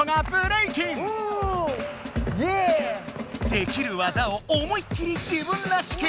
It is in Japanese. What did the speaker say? できる技を思いっきり自分らしく。